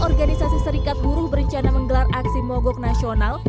organisasi serikat buru berencana menggelar aksi mogok nasional